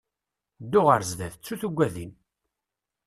Ddu ɣer sdat, ttu tuggadin!